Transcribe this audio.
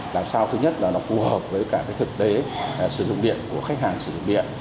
làm sao thứ nhất là nó phù hợp với cả cái thực tế sử dụng điện của khách hàng sử dụng điện